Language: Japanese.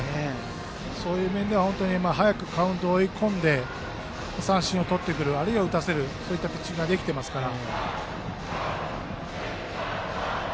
そういう面では早くカウント、追い込んで三振をとってくるあるいは打たせるピッチングができていますから。